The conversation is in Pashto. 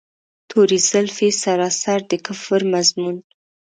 توري زلفې سراسر د کفر مضمون.